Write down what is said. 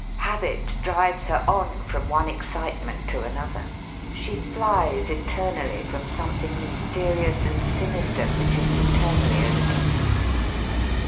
Habit drives her on from one excitement to an other. She flies eternally from something mys terious and sinister which is eternally overtaking her.